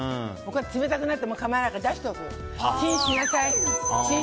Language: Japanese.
冷たくなっても構わないから出しておく。